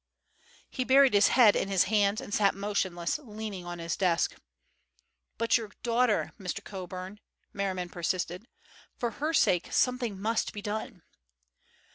He buried his head in his hands and sat motionless, leaning on his desk. "But your daughter, Mr. Coburn," Merriman persisted. "For her sake something must be done."